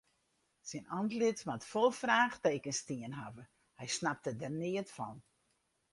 Syn antlit moat fol fraachtekens stien hawwe, hy snapte der neat fan.